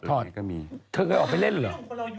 เธอเคยออกไปเล่นหรือ